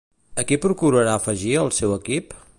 A qui procurarà afegir al seu equip?